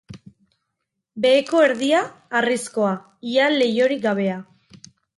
Beheko erdia, harrizkoa, ia leihorik gabea.